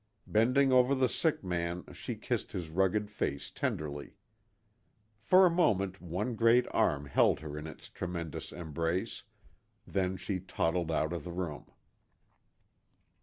Bending over the sick man she kissed his rugged face tenderly. For a moment one great arm held her in its tremendous embrace, then she toddled out of the room.